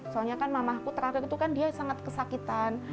soalnya kan mamahku terakhir itu kan dia sangat kesakitan